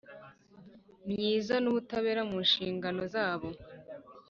Myiza n ubutabera mu nshingano zabo